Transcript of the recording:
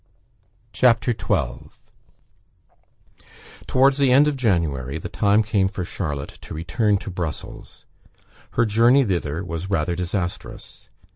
CHAPTER XII Towards the end of January, the time came for Charlotte to return to Brussels. Her journey thither was rather disastrous.